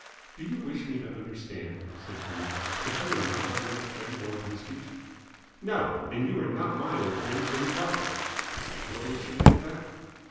"Do you wish me to understand," said Jimmy, "that you are not my old friend, Lord Wisbeach?" "No. And you're not my old friend, Jimmy Crocker." "What makes you think that?"